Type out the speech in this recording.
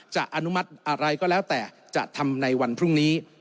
อนุมัติอะไรก็แล้วแต่จะทำในวันพรุ่งนี้